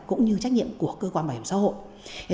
cũng như trách nhiệm của cơ quan bảo hiểm xã hội